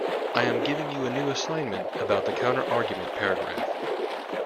I am giving you a new assignment about the counterargument paragraph.